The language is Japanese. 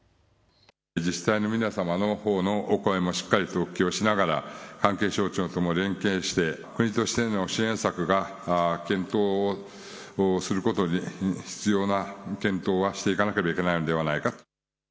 実際に皆様のお声もしっかりとお聞きをしながら関係省庁とも連携して国としての支援策が検討することが必要な検討はしていかなければ。